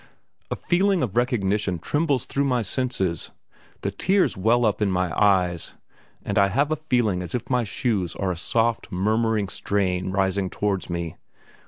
A feeling of recognition trembles through my senses; the tears well up in my eyes, and I have a feeling as if my shoes are a soft, murmuring strain rising towards me.